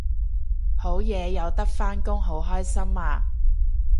好嘢有得返工好開心啊！